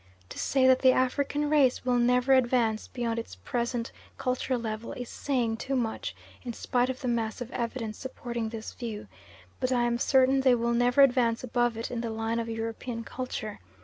To say that the African race will never advance beyond its present culture level, is saying too much, in spite of the mass of evidence supporting this view, but I am certain they will never advance above it in the line of European culture.